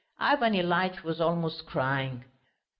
Ivan Ilyitch was almost crying.